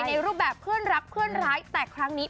ในรูปแบบเพื่อนรักเพื่อนร้ายแต่ครั้งนี้